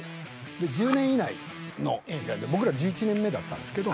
１０年以内の僕ら１１年目だったんですけど。